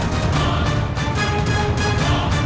kita mau ke rumah sekarang